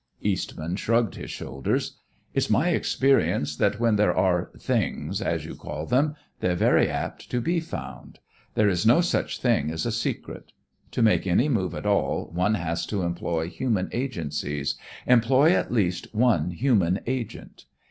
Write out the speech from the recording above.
Eastman shrugged his shoulders. "It's my experience that when there are 'things' as you call them, they're very apt to be found. There is no such thing as a secret. To make any move at all one has to employ human agencies, employ at least one human agent.